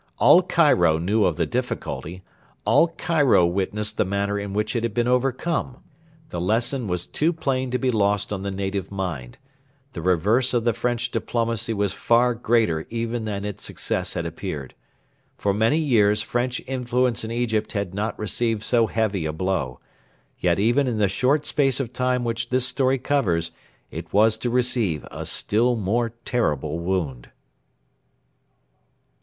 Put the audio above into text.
All Cairo knew of the difficulty. All Cairo witnessed the manner in which it had been overcome. The lesson was too plain to be lost on the native mind. The reverse of the French diplomacy was far greater even than its success had appeared. For many years French influence in Egypt had not received so heavy a blow; yet even in the short space of time which this story covers it was to receive a still more terrible wound.